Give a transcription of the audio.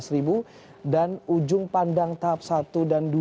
enam belas dan ujung pandang tahap satu dan dua